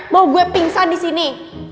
mau gue pingsan disini